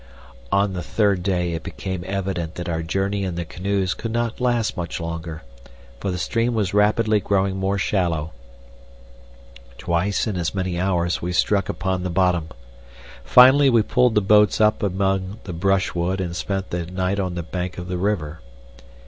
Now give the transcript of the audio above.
On the third day it became evident that our journey in the canoes could not last much longer, for the stream was rapidly growing more shallow. Twice in as many hours we stuck upon the bottom. Finally we pulled the boats up among the brushwood and spent the night on the bank of the river.